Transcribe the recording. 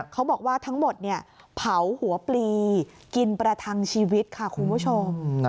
เขาบอกว่าทั้งหมดเผาหัวปลีกินประทังชีวิตค่ะคุณผู้ชม